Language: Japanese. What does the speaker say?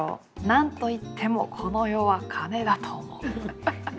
「なんと言ってもこの世は金だと思う」。